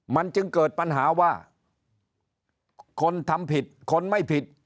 มันจึงเกิดปัญหาว่าคนทำผิดคนไม่ผิด